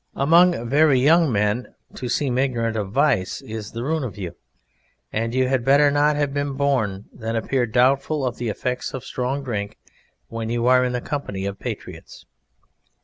Among very young men to seem ignorant of vice is the ruin of you, and you had better not have been born than appear doubtful of the effects of strong drink when you are in the company of Patriots.